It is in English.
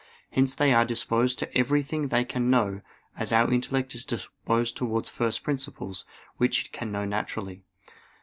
Hence they are disposed to everything they can know, as our intellect is disposed towards first principles, which it can know naturally.